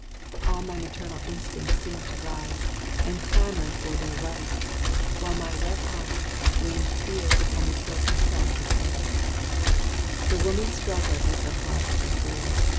All my maternal instincts seemed to rise, And clamor for their rights, while my wet eyes, Rained tears upon the silken tress of hair. The woman struggled with her heart before!